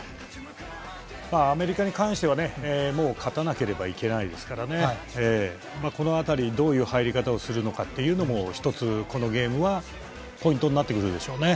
アメリカに関してはもう勝たなければいけないですからこの辺り、どういう入り方をするのかっていうのも１つ、このゲームはポイントになってくるでしょうね。